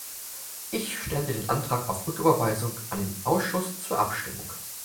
Ich stelle den Antrag auf Rücküberweisung an den Ausschuss zur Abstimmung.